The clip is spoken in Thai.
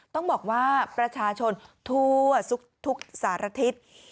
ต้องบอกว่าประชาชนทั่วทุกสารทิศ